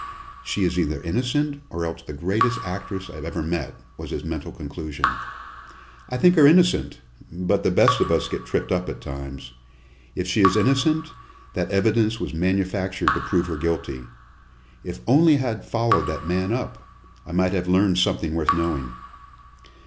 "She is either innocent, or else the greatest actress I've ever met," was his mental conclusion. "I think her innocent, but the best of us get tripped up at times. If she is innocent, that evidence was manufactured to prove her guilty. If only I had followed that man up! I might have learned something worth knowing."